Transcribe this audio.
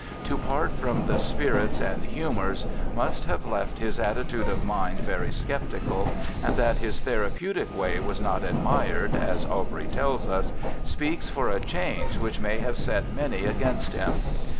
To part from the spirits and humours must have left his attitude of mind very sceptical, and that his * therapeutic way ' was not admired (as Aubrey tells us) speaks for a change which may have set many against him.